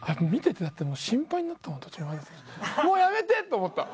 「もうやめて！」と思った。